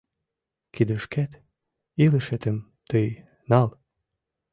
Кидышкет илышетым тый нал.